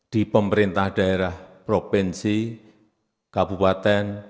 di pemerintah daerah provinsi kabupaten